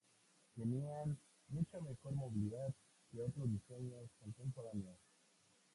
Tenían mucha mejor movilidad que otros diseños contemporáneos.